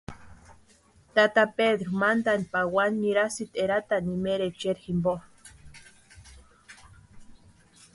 Tata Pedru mantani pawani nirasïnti eraatani imaeri echeri jimpo.